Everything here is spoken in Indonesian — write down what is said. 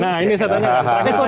nah ini saya tanya singkat saja